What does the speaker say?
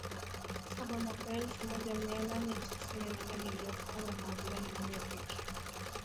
saba mwaka elfu moja mia nane tisini na nane aliongozana na wavulana wanne pekee